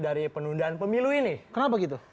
dari penundaan pemilu ini kenapa gitu